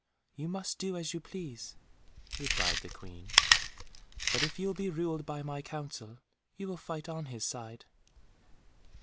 "You must do as you please," replied the Queen, "but if you will be ruled by my counsel, you will fight on his side."